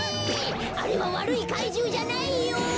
あれはわるいかいじゅうじゃないよ。